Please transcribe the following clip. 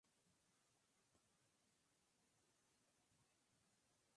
Algunos de sus libros han sido traducidos a diferentes idiomas.